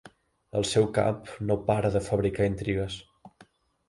El seu cap no para de fabricar intrigues.